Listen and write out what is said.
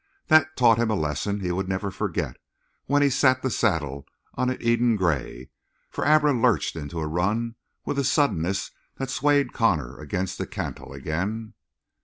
That taught him a lesson he would never forget when he sat the saddle on an Eden Gray; for Abra lurched into a run with a suddenness that swayed Connor against the cantle again.